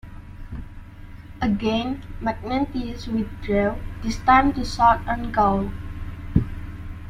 Again, Magnentius withdrew, this time to southern Gaul.